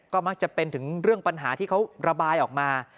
ก็มักจะเป็นถึงเรื่องปัญหาที่เขาระบายออกมา